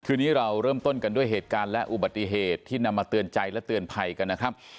คืนนี้เราเริ่มต้นกันด้วยเหตุการณ์และอุบัติเหตุที่นำมาเตือนใจและเตือนภัยกันนะครับ